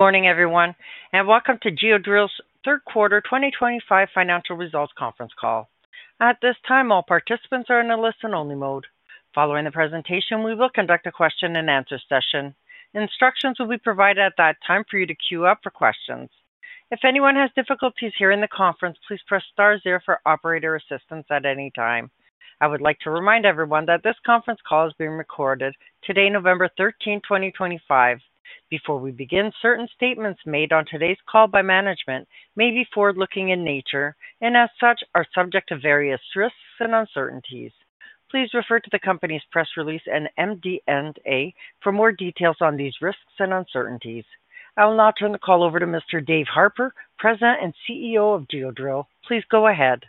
Morning, everyone, and welcome to Geodrill's third quarter 2025 financial results conference call. At this time, all participants are in a listen-only mode. Following the presentation, we will conduct a question-and-answer session. Instructions will be provided at that time for you to queue up for questions. If anyone has difficulties hearing the conference, please press star zero for operator assistance at any time. I would like to remind everyone that this conference call is being recorded today, November 13, 2025. Before we begin, certain statements made on today's call by management may be forward-looking in nature and, as such, are subject to various risks and uncertainties. Please refer to the company's press release and MD&A for more details on these risks and uncertainties. I will now turn the call over to Mr. Dave Harper, President and CEO of Geodrill. Please go ahead.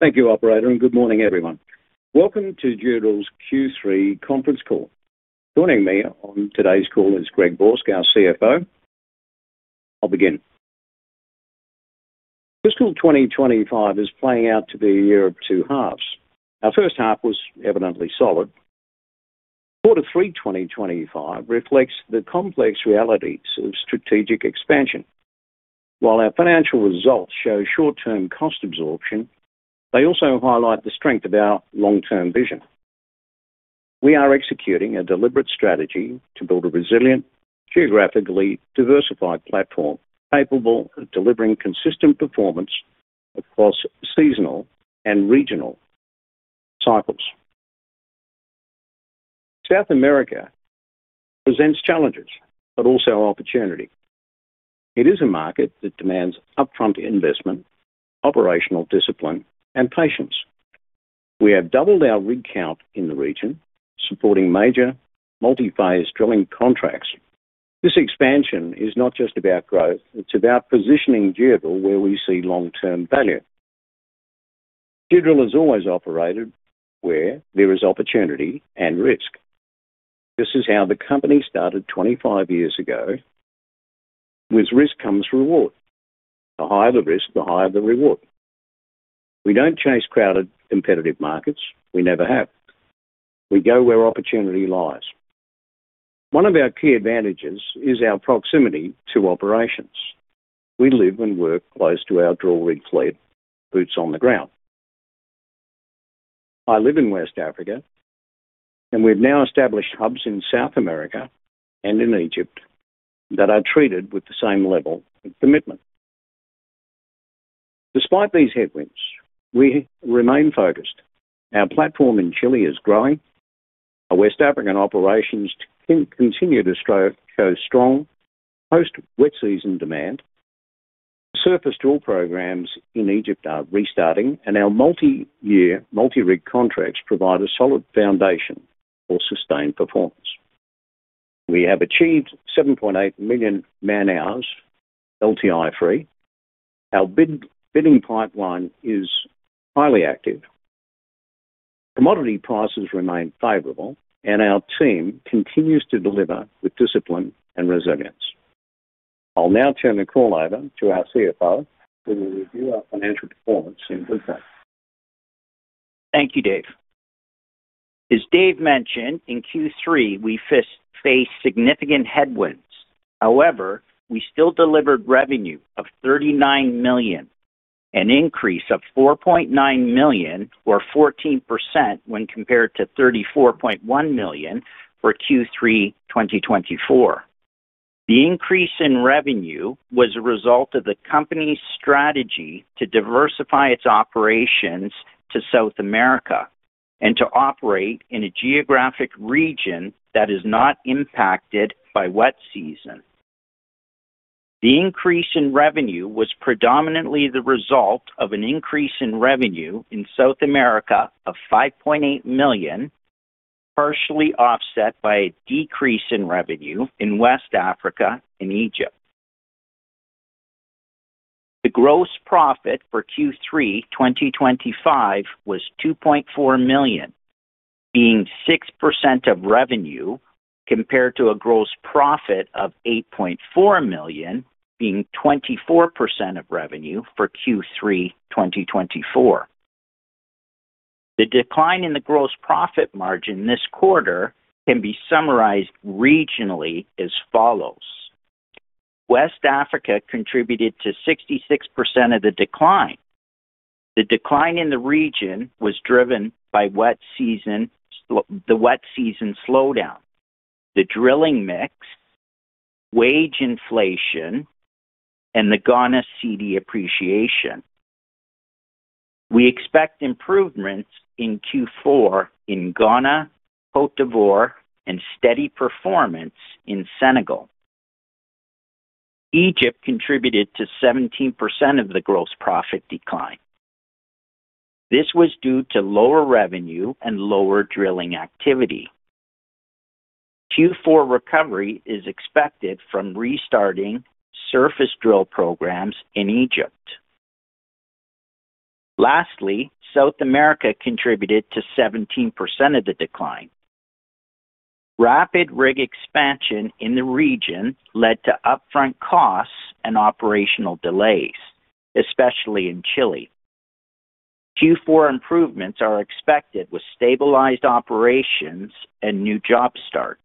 Thank you, Operator, and good morning, everyone. Welcome to Geodrill's Q3 conference call. Joining me on today's call is Greg Borsk, our CFO. I'll begin. Fiscal 2025 is playing out to be a year of two halves. Our first half was evidently solid. Quarter three 2025 reflects the complex realities of strategic expansion. While our financial results show short-term cost absorption, they also highlight the strength of our long-term vision. We are executing a deliberate strategy to build a resilient, geographically diversified platform capable of delivering consistent performance across seasonal and regional cycles. South America presents challenges but also opportunity. It is a market that demands upfront investment, operational discipline, and patience. We have doubled our rig count in the region, supporting major multi-phase drilling contracts. This expansion is not just about growth; it's about positioning Geodrill where we see long-term value. Geodrill has always operated where there is opportunity and risk. This is how the company started 25 years ago: with risk comes reward. The higher the risk, the higher the reward. We don't chase crowded, competitive markets; we never have. We go where opportunity lies. One of our key advantages is our proximity to operations. We live and work close to our drill rig fleet, boots on the ground. I live in West Africa, and we've now established hubs in South America and in Egypt that are treated with the same level of commitment. Despite these headwinds, we remain focused. Our platform in Chile is growing. Our West African operations continue to show strong post-wet season demand. Surface drill programs in Egypt are restarting, and our multi-year, multi-rig contracts provide a solid foundation for sustained performance. We have achieved 7.8 million man-hours LTI-free. Our bidding pipeline is highly active. Commodity prices remain favorable, and our team continues to deliver with discipline and resilience. I'll now turn the call over to our CFO, who will review our financial performance in brief. Thank you, Dave. As Dave mentioned, in Q3, we faced significant headwinds. However, we still delivered revenue of GHS 39 million, an increase of GHS 4.9 million, or 14% when compared to GHS 34.1 million for Q3 2024. The increase in revenue was a result of the company's strategy to diversify its operations to South America and to operate in a geographic region that is not impacted by wet season. The increase in revenue was predominantly the result of an increase in revenue in South America of GHS 5.8 million, partially offset by a decrease in revenue in West Africa and Egypt. The gross profit for Q3 2025 was GHS 2.4 million, being 6% of revenue, compared to a gross profit of GHS 8.4 million, being 24% of revenue for Q3 2024. The decline in the gross profit margin this quarter can be summarized regionally as follows: West Africa contributed to 66% of the decline. The decline in the region was driven by wet season slowdown, the drilling mix, wage inflation, and the Ghana Cedi appreciation. We expect improvements in Q4 in Ghana, Côte d'Ivoire, and steady performance in Senegal. Egypt contributed to 17% of the gross profit decline. This was due to lower revenue and lower drilling activity. Q4 recovery is expected from restarting surface drill programs in Egypt. Lastly, South America contributed to 17% of the decline. Rapid rig expansion in the region led to upfront costs and operational delays, especially in Chile. Q4 improvements are expected with stabilized operations and new job starts.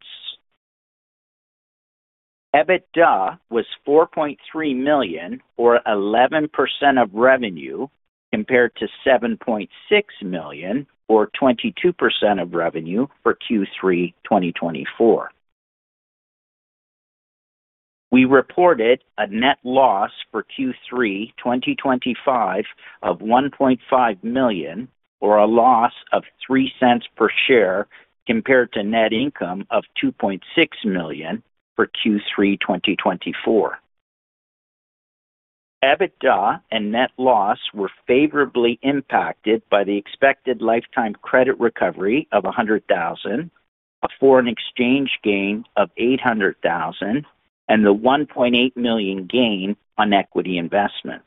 EBITDA was GHS 4.3 million, or 11% of revenue, compared to GHS 7.6 million, or 22% of revenue, for Q3 2024. We reported a net loss for Q3 2025 of GHS 1.5 million, or a loss of GHS 0.03 per share, compared to net income of GHS 2.6 million for Q3 2024. EBITDA and net loss were favorably impacted by the expected lifetime credit recovery of GHS 100,000, a foreign exchange gain of GHS 800,000, and the GHS 1.8 million gain on equity investments.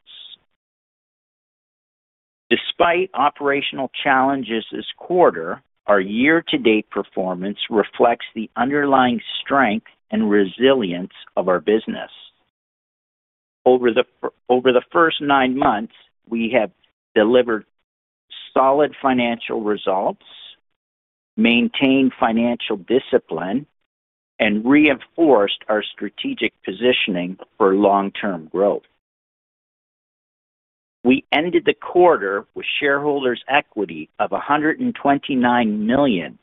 Despite operational challenges this quarter, our year-to-date performance reflects the underlying strength and resilience of our business. Over the first nine months, we have delivered solid financial results, maintained financial discipline, and reinforced our strategic positioning for long-term growth. We ended the quarter with shareholders' equity of GHS 129 million,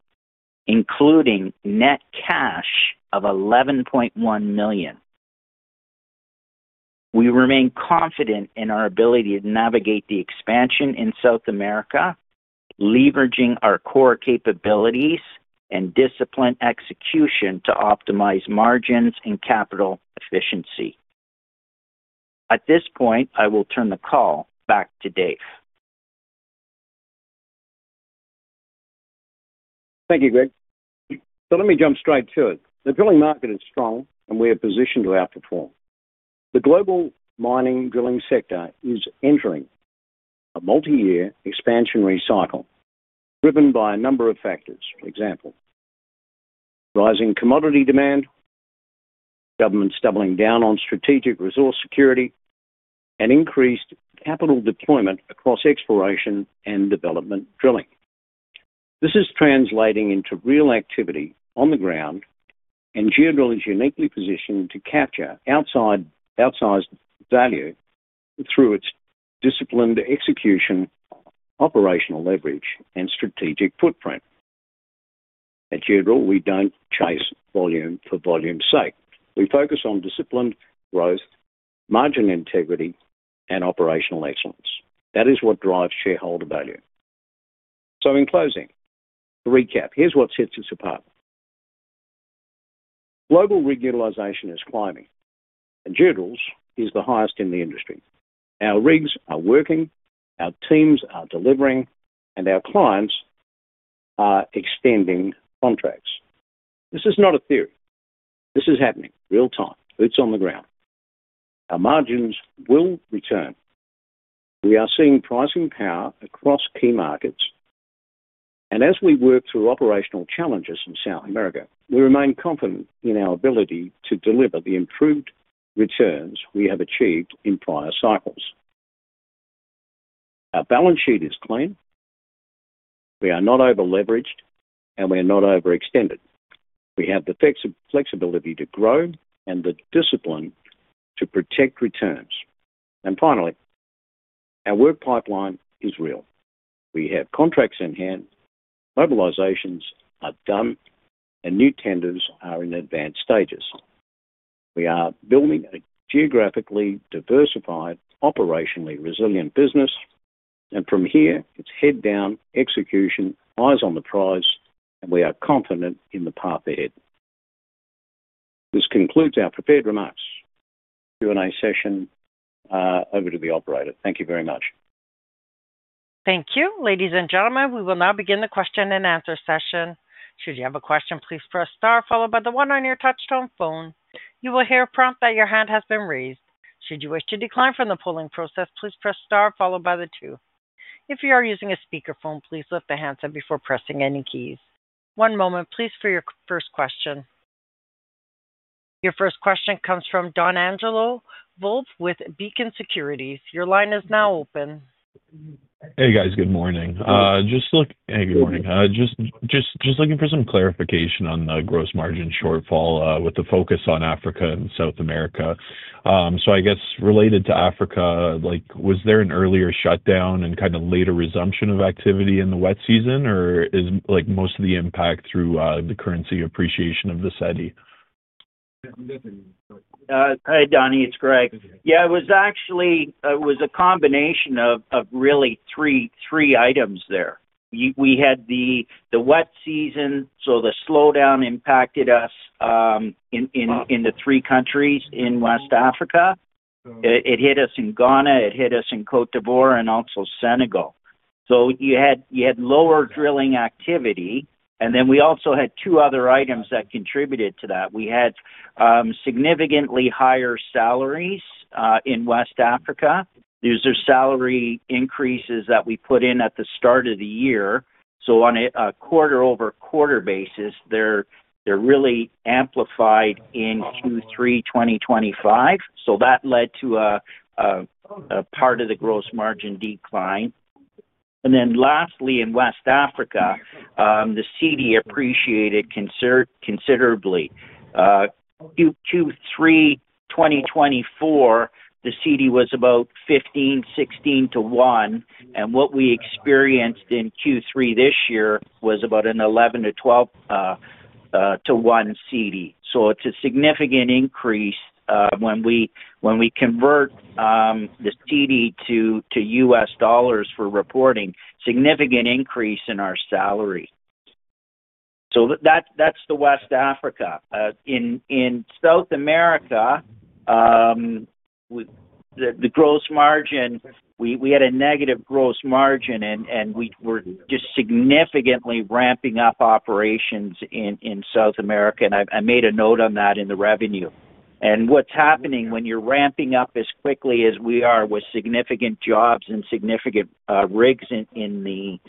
including net cash of GHS 11.1 million. We remain confident in our ability to navigate the expansion in South America, leveraging our core capabilities and disciplined execution to optimize margins and capital efficiency. At this point, I will turn the call back to Dave. Thank you, Greg. Let me jump straight to it. The drilling market is strong, and we are positioned to outperform. The global mining drilling sector is entering a multi-year expansionary cycle, driven by a number of factors, for example: rising commodity demand, governments doubling down on strategic resource security, and increased capital deployment across exploration and development drilling. This is translating into real activity on the ground, and Geodrill is uniquely positioned to capture outsized value through its disciplined execution, operational leverage, and strategic footprint. At Geodrill, we do not chase volume for volume's sake. We focus on disciplined growth, margin integrity, and operational excellence. That is what drives shareholder value. In closing, a recap. Here is what sets us apart. Global rig utilization is climbing, and Geodrill's is the highest in the industry. Our rigs are working, our teams are delivering, and our clients are extending contracts. This is not a theory. This is happening real-time, boots on the ground. Our margins will return. We are seeing pricing power across key markets, and as we work through operational challenges in South America, we remain confident in our ability to deliver the improved returns we have achieved in prior cycles. Our balance sheet is clean. We are not over-leveraged, and we are not overextended. We have the flexibility to grow and the discipline to protect returns. Finally, our work pipeline is real. We have contracts in hand, mobilizations are done, and new tenders are in advanced stages. We are building a geographically diversified, operationally resilient business, and from here, it's head-down execution, eyes on the prize, and we are confident in the path ahead. This concludes our prepared remarks. Q&A session over to the Operator. Thank you very much. Thank you. Ladies and gentlemen, we will now begin the question-and-answer session. Should you have a question, please press star, followed by the one on your touch-tone phone. You will hear a prompt that your hand has been raised. Should you wish to decline from the polling process, please press star, followed by the two. If you are using a speakerphone, please lift the handset before pressing any keys. One moment, please, for your first question. Your first question comes from Donangelo Volpe with Beacon Securities. Your line is now open. Hey, guys. Good morning. Just looking for some clarification on the gross margin shortfall with the focus on Africa and South America. I guess related to Africa, was there an earlier shutdown and kind of later resumption of activity in the wet season, or is most of the impact through the currency appreciation of the Cedi? Hi, Donny. It's Greg. Yeah, it was actually a combination of really three items there. We had the wet season, so the slowdown impacted us in the three countries in West Africa. It hit us in Ghana, it hit us in Côte d'Ivoire, and also Senegal. You had lower drilling activity, and then we also had two other items that contributed to that. We had significantly higher salaries in West Africa. These are salary increases that we put in at the start of the year. On a quarter-over-quarter basis, they're really amplified in Q3 2025. That led to a part of the gross margin decline. Lastly, in West Africa, the Cedi appreciated considerably. Q3 2024, the Cedi was about 15 to 16 to 1, and what we experienced in Q3 this year was about an 11 to 12 to 1 Cedi. It's a significant increase when we convert the Cedi to US dollars for reporting, significant increase in our salary. That's the West Africa. In South America, the gross margin, we had a negative gross margin, and we were just significantly ramping up operations in South America, and I made a note on that in the revenue. What's happening when you're ramping up as quickly as we are with significant jobs and significant rigs on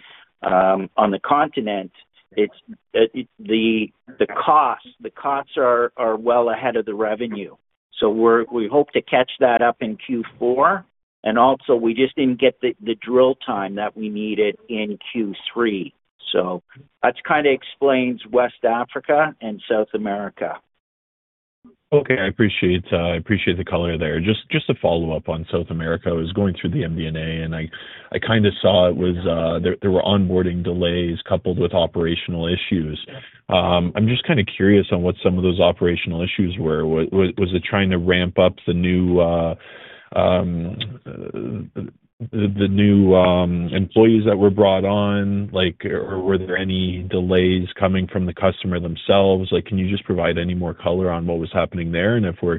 the continent, the costs are well ahead of the revenue. We hope to catch that up in Q4, and also, we just didn't get the drill time that we needed in Q3. That kind of explains West Africa and South America. Okay. I appreciate the color there. Just to follow up on South America, I was going through the MD&A, and I kind of saw there were onboarding delays coupled with operational issues. I'm just kind of curious on what some of those operational issues were. Was it trying to ramp up the new employees that were brought on, or were there any delays coming from the customer themselves? Can you just provide any more color on what was happening there and if we're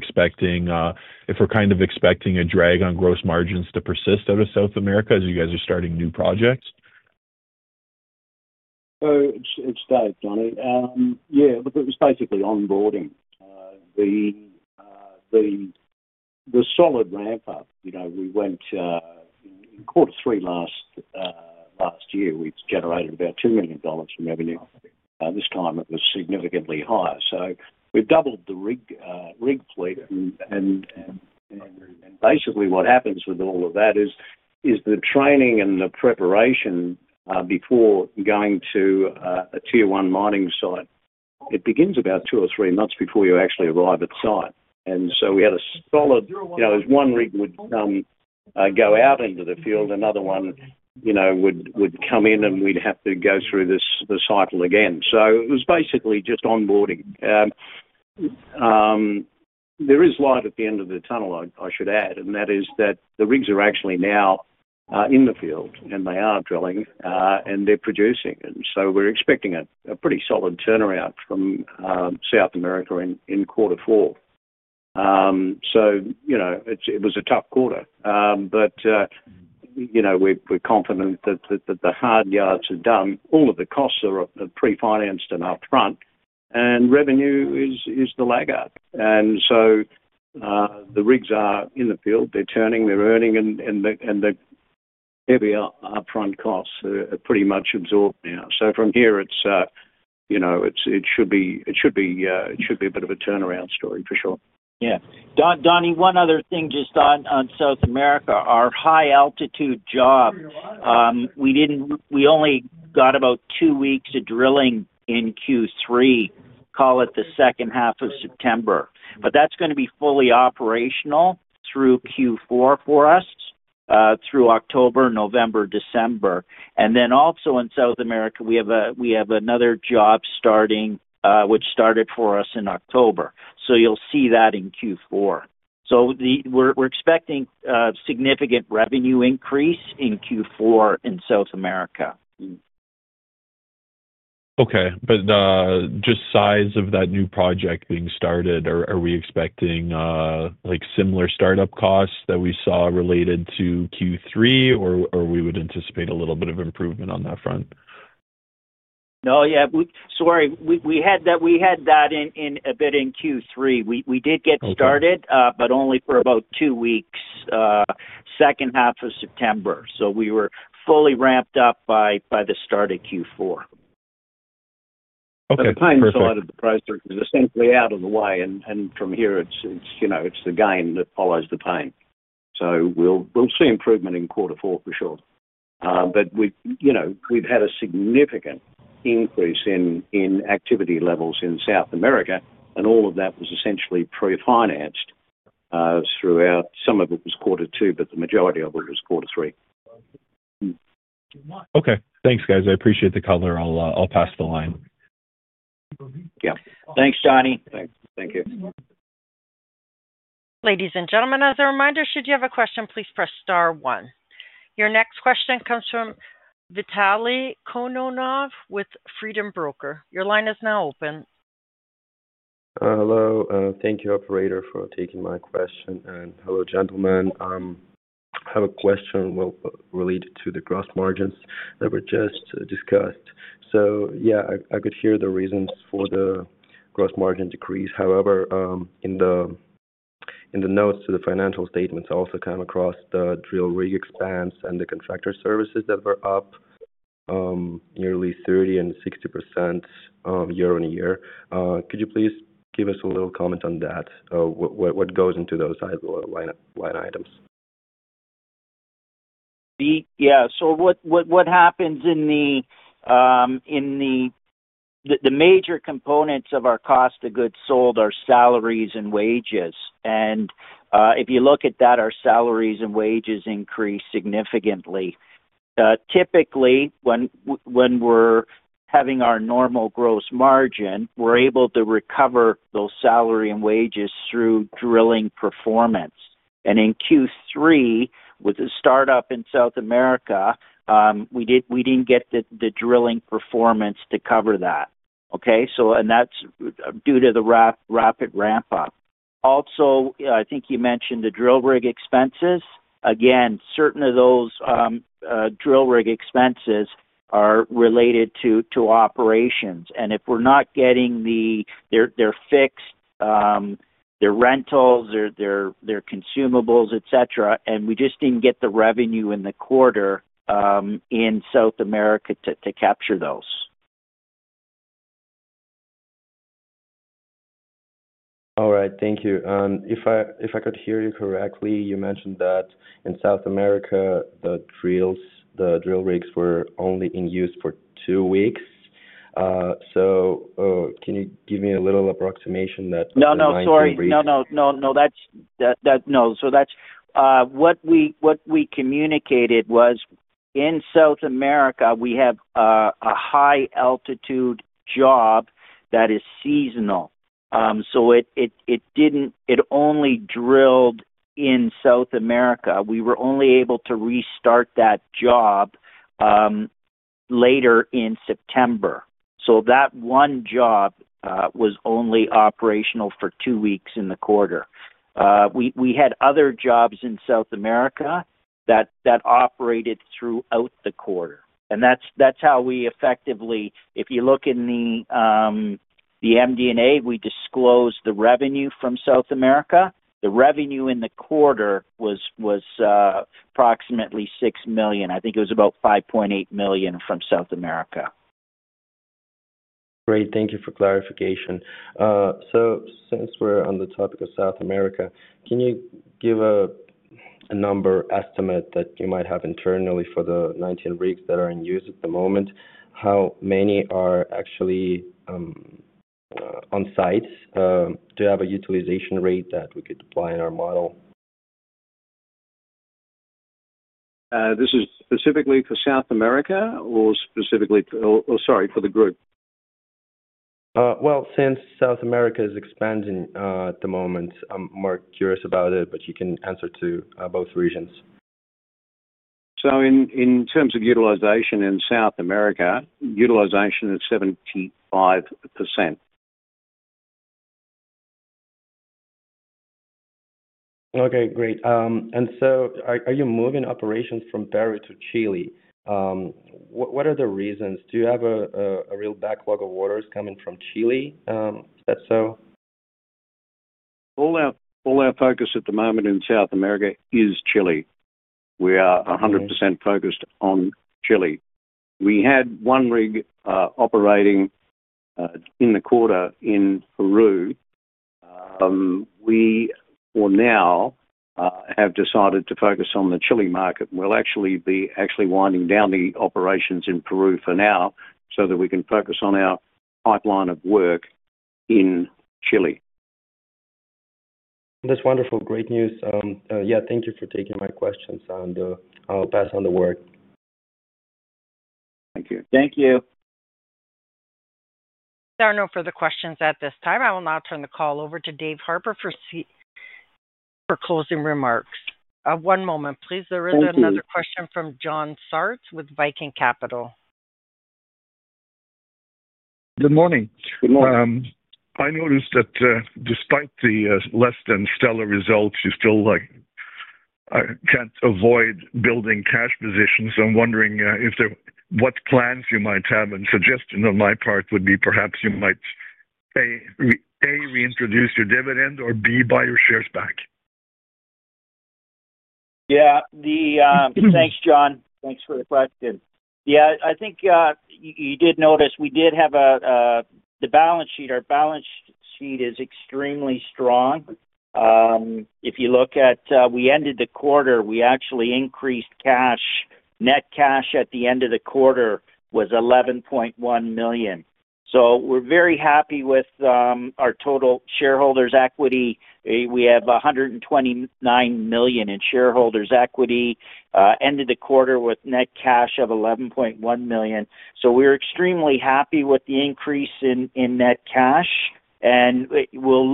kind of expecting a drag on gross margins to persist out of South America as you guys are starting new projects? It's Dave, Donny. Yeah, it was basically onboarding. The solid ramp-up, we went in quarter three last year, we've generated about GHS 2 million in revenue. This time, it was significantly higher. We've doubled the rig fleet, and basically, what happens with all of that is the training and the preparation before going to a tier-one mining site. It begins about two or three months before you actually arrive at the site. We had a solid as one rig would go out into the field, another one would come in, and we'd have to go through the cycle again. It was basically just onboarding. There is light at the end of the tunnel, I should add, and that is that the rigs are actually now in the field, and they are drilling, and they're producing. We are expecting a pretty solid turnaround from South America in quarter four. It was a tough quarter, but we are confident that the hard yards are done. All of the costs are pre-financed and upfront, and revenue is the laggard. The rigs are in the field, they are turning, they are earning, and the heavy upfront costs are pretty much absorbed now. From here, it should be a bit of a turnaround story for sure. Yeah. Donny, one other thing just on South America. Our high-altitude job, we only got about two weeks of drilling in Q3, call it the second half of September. That is going to be fully operational through Q4 for us, through October, November, December. Also in South America, we have another job starting which started for us in October. You will see that in Q4. We are expecting significant revenue increase in Q4 in South America. Okay. But just size of that new project being started, are we expecting similar startup costs that we saw related to Q3, or we would anticipate a little bit of improvement on that front? No, yeah. Sorry, we had that a bit in Q3. We did get started, but only for about two weeks, second half of September. So we were fully ramped up by the start of Q4. Okay. Perfect. The time is sort of the price is essentially out of the way, and from here, it's the gain that follows the pain. We will see improvement in quarter four for sure. We have had a significant increase in activity levels in South America, and all of that was essentially pre-financed throughout. Some of it was quarter two, but the majority of it was quarter three. Okay. Thanks, guys. I appreciate the color. I'll pass the line. Thanks, Donny. Thanks. Thank you. Ladies and gentlemen, as a reminder, should you have a question, please press star one. Your next question comes from Vitaly Kononov with Freedom Broker. Your line is now open. Hello. Thank you, Operator, for taking my question. Hello, gentlemen. I have a question related to the gross margins that were just discussed. Yeah, I could hear the reasons for the gross margin decrease. However, in the notes to the financial statements, I also came across the drill rig expense and the contractor services that were up nearly 30% and 60% year on year. Could you please give us a little comment on that? What goes into those line items? Yeah. What happens is the major components of our cost of goods sold are salaries and wages. If you look at that, our salaries and wages increase significantly. Typically, when we're having our normal gross margin, we're able to recover those salary and wages through drilling performance. In Q3, with the startup in South America, we didn't get the drilling performance to cover that, okay? That's due to the rapid ramp-up. I think you mentioned the drill rig expenses. Certain of those drill rig expenses are related to operations. If we're not getting their fix, their rentals, their consumables, etc., we just didn't get the revenue in the quarter in South America to capture those. All right. Thank you. If I could hear you correctly, you mentioned that in South America, the drill rigs were only in use for two weeks. Can you give me a little approximation of that? No, no. Sorry. No, no, no, no. No, what we communicated was in South America, we have a high-altitude job that is seasonal. It only drilled in South America. We were only able to restart that job later in September. That one job was only operational for two weeks in the quarter. We had other jobs in South America that operated throughout the quarter. If you look in the MD&A, we disclosed the revenue from South America. The revenue in the quarter was approximately GHS 6 million. I think it was about GHS 5.8 million from South America. Great. Thank you for clarification. Since we're on the topic of South America, can you give a number estimate that you might have internally for the 19 rigs that are in use at the moment? How many are actually on site? Do you have a utilization rate that we could apply in our model? This is specifically for South America or specifically for—oh, sorry, for the group? Since South America is expanding at the moment, I'm more curious about it, but you can answer to both regions. In terms of utilization in South America, utilization is 75%. Okay. Great. Are you moving operations from Peru to Chile? What are the reasons? Do you have a real backlog of orders coming from Chile? Is that so? All our focus at the moment in South America is Chile. We are 100% focused on Chile. We had one rig operating in the quarter in Peru. We will now have decided to focus on the Chile market. We'll actually be winding down the operations in Peru for now so that we can focus on our pipeline of work in Chile. That's wonderful. Great news. Yeah, thank you for taking my questions, and I'll pass on the work. Thank you. Thank you. There are no further questions at this time. I will now turn the call over to Dave Harper for closing remarks. One moment, please. There is another question from John Sartz with Viking Capital. Good morning. Good morning. I noticed that despite the less than stellar results, you still can't avoid building cash positions. I'm wondering what plans you might have, and suggestion on my part would be perhaps you might, A, reintroduce your dividend or, B, buy your shares back. Yeah. Thanks, John. Thanks for the question. Yeah, I think you did notice we did have the balance sheet. Our balance sheet is extremely strong. If you look at—we ended the quarter, we actually increased cash. Net cash at the end of the quarter was GHS 11.1 million. So we're very happy with our total shareholders' equity. We have GHS 129 million in shareholders' equity. End of the quarter with net cash of GHS 11.1 million. So we're extremely happy with the increase in net cash. We'll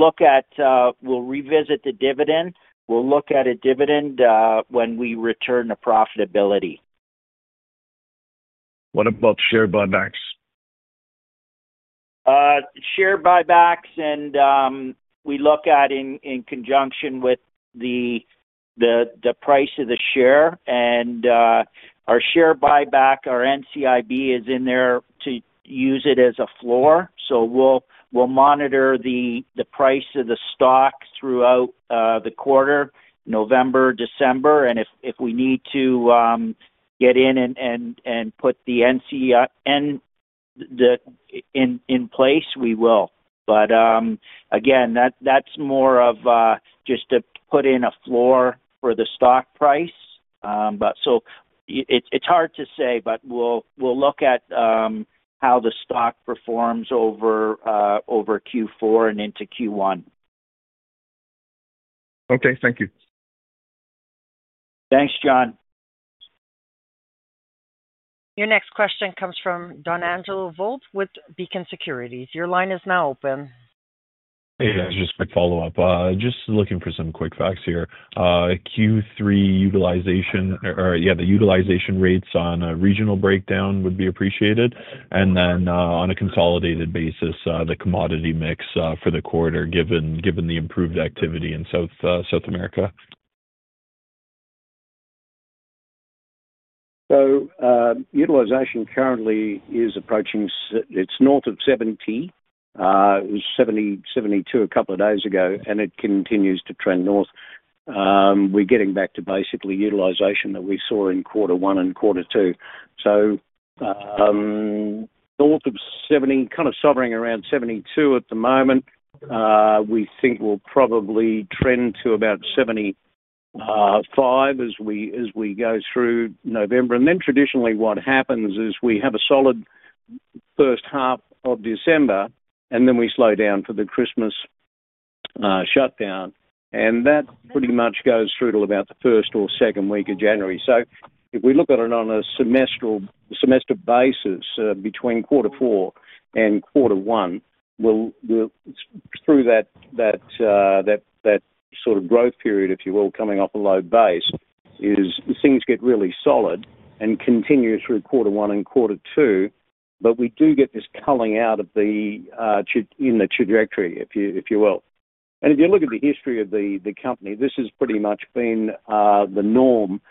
revisit the dividend. We'll look at a dividend when we return to profitability. What about share buybacks? Share buybacks, and we look at it in conjunction with the price of the share. Our share buyback, our NCIB is in there to use it as a floor. We will monitor the price of the stock throughout the quarter, November, December. If we need to get in and put the NCIB in place, we will. Again, that is more of just to put in a floor for the stock price. It is hard to say, but we will look at how the stock performs over Q4 and into Q1. Okay. Thank you. Thanks, John. Your next question comes from Donangelo Volpe with Beacon Securities. Your line is now open. Hey, that's just a quick follow-up. Just looking for some quick facts here. Q3 utilization—or yeah, the utilization rates on a regional breakdown would be appreciated. Then on a consolidated basis, the commodity mix for the quarter given the improved activity in South America. Utilization currently is approaching—it's north of 70%. It was 70%, 72% a couple of days ago, and it continues to trend north. We're getting back to basically utilization that we saw in quarter one and quarter two. North of 70%, kind of hovering around 72% at the moment. We think we'll probably trend to about 75% as we go through November. Traditionally, what happens is we have a solid first half of December, and then we slow down for the Christmas shutdown. That pretty much goes through to about the first or second week of January. If we look at it on a semester basis between quarter four and quarter one, through that sort of growth period, if you will, coming off a low base, things get really solid and continue through quarter one and quarter two. We do get this culling out in the trajectory, if you will. And if you look at the history of the company, this has pretty much been the norm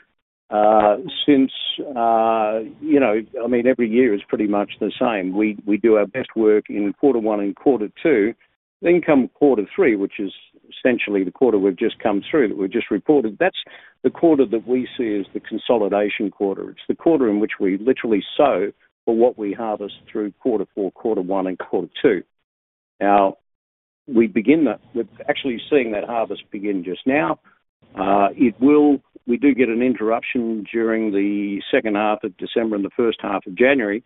since, I mean, every year is pretty much the same. We do our best work in quarter one and quarter two. Then come quarter three, which is essentially the quarter we've just come through that we've just reported. That's the quarter that we see as the consolidation quarter. It's the quarter in which we literally sow for what we harvest through quarter four, quarter one, and quarter two. Now, we begin with actually seeing that harvest begin just now. We do get an interruption during the second half of December and the first half of January.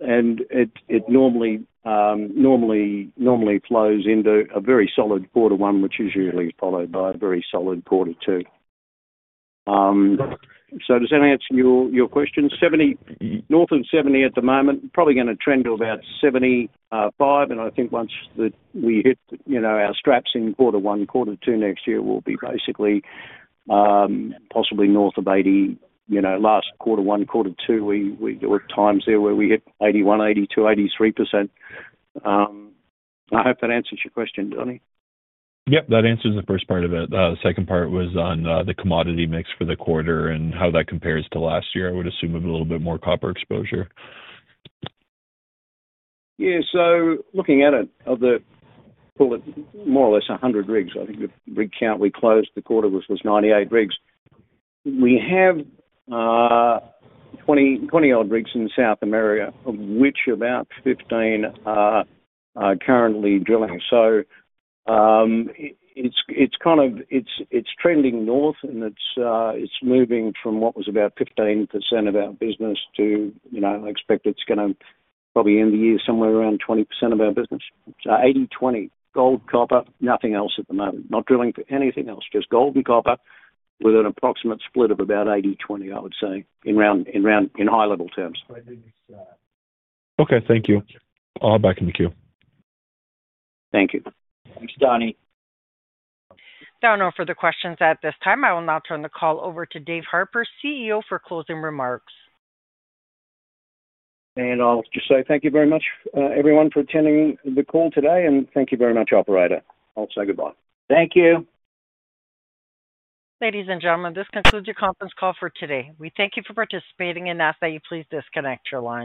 It normally flows into a very solid quarter one, which is usually followed by a very solid quarter two. Does that answer your question? North of 70 at the moment, probably going to trend to about 75. I think once we hit our straps in quarter one, quarter two next year, we'll be basically possibly north of 80. Last quarter one, quarter two, we were at times there where we hit 81%, 82%, 83%. I hope that answers your question, Donny. Yep. That answers the first part of it. The second part was on the commodity mix for the quarter and how that compares to last year, I would assume with a little bit more copper exposure. Yeah. So looking at it, of the more or less 100 rigs, I think the rig count we closed the quarter was 98 rigs. We have 20-odd rigs in South America, of which about 15 are currently drilling. It is kind of—it is trending north, and it is moving from what was about 15% of our business to—I expect it is going to probably end the year somewhere around 20% of our business. So 80, 20, gold, copper, nothing else at the moment. Not drilling for anything else, just gold and copper with an approximate split of about 80, 20, I would say, in high-level terms. Okay. Thank you. I'll back in the queue. Thank you. Thanks, Donny. There are no further questions at this time. I will now turn the call over to Dave Harper, CEO, for closing remarks. Thank you very much, everyone, for attending the call today. Thank you very much, Operator. I'll say goodbye. Thank you. Ladies and gentlemen, this concludes your conference call for today. We thank you for participating and ask that you please disconnect your lines.